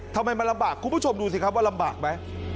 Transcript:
ทำไมมันลำบากคุณผู้ชมดูสิครับว่าลำบากไหม